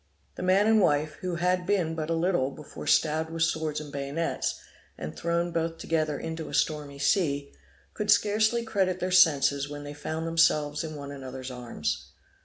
The man and wife, who had been but a little before stabbed with swords and bayonets, and thrown both together into a stormy sea, could scarcely credit their senses when they found themselves in one another's arms.